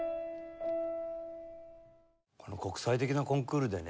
この国際的なコンクールでね